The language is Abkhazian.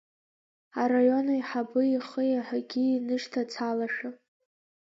Араионаиҳабы ихы еиҳагьы инышьҭацалашәа.